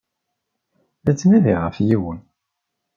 La ttnadiɣ ɣef yiwen.